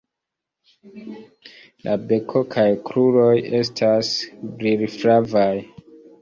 La beko kaj kruroj estas brilflavaj.